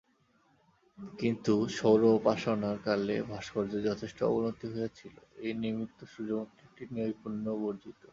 কিন্তু সৌরোপাসনার কালে ভাস্কর্যের যথেষ্ট অবনতি হইয়াছিল, এই নিমিত্ত সূর্যমূর্তিটি নৈপুণ্য-বর্জিত।